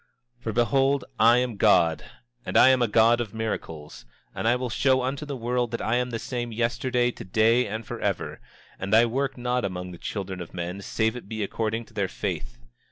27:23 For behold, I am God; and I am a God of miracles; and I will show unto the world that I am the same yesterday, today, and forever; and I work not among the children of men save it be according to their faith.